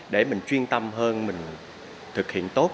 để mình chuyên tâm hơn mình thực hiện tốt